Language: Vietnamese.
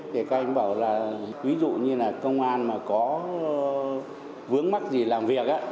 thì các anh bảo là ví dụ như là công an mà có vướng mắc gì làm việc á